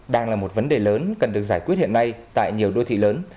đang là một vấn đề lớn cần được giải quyết hiện nay tại nhiều đô thị lớn